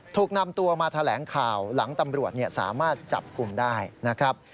ถูกนำตัวมาแถลงข่าวหลังตำรวจสามารถจับกลุ่มได้นะครับ